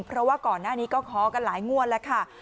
เพราะว่าก่อนหน้านี้ก็ขอกันหลายงวดแล้วค่ะ